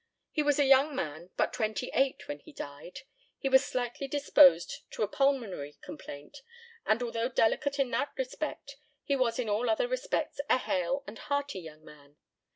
He was a young man, but twenty eight when he died. He was slightly disposed to a pulmonary complaint, and, although delicate in that respect, he was in all other respects a hale and hearty young man.